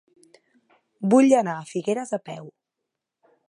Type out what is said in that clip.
Vull anar a Figueres a peu.